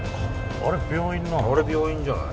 あれ病院じゃない？